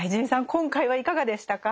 今回はいかがでしたか？